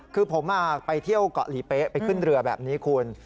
คือผมไปเที่ยวเกาะหลีเป๊ะไปขึ้นเรือแบบนี้คุณ